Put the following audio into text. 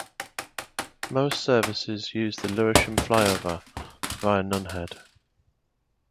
Most services use the Lewisham flyover via Nunhead.